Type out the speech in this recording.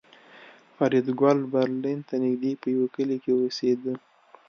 فریدګل برلین ته نږدې په یوه کلي کې اوسېده